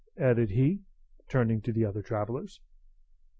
added he, turning to the other travellers.